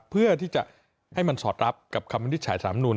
เพื่อที่จะให้มันสอดรับคำวิทย์สำรุน